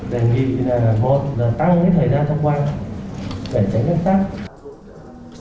đề nghị là một là tăng hết thời gian thông qua để tránh án sát